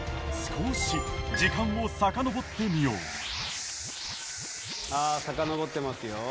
少し時間をさかのぼってみようさあさかのぼってますよ